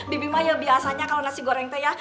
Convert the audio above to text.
bibi ma ya biasanya kalau nasi goreng teh ya